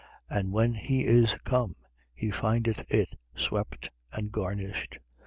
11:25. And when he is come, he findeth it swept and garnished. 11:26.